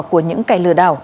của những cài lừa đảo